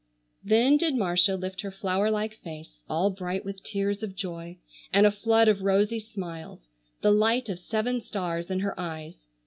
Then did Marcia lift her flower like face, all bright with tears of joy and a flood of rosy smiles, the light of seven stars in her eyes.